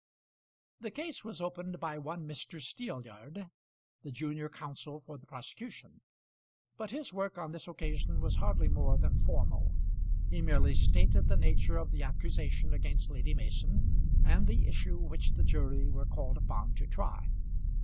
The case was opened by one Mr. Steelyard, the junior counsel for the prosecution; but his work on this occasion was hardly more than formal. He merely stated the nature of the accusation against Lady Mason, and the issue which the jury were called upon to try.